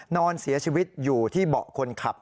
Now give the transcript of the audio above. นอนเสียชีวิตอยู่ที่เบาะคนขับ